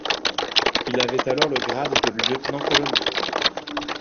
Il avait alors le grade de lieutenant-colonel.